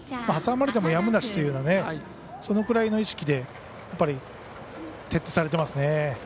挟まれてもやむなしというようなそのくらいの意識で徹底されていますね。